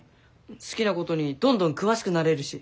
好きなことにどんどん詳しくなれるし。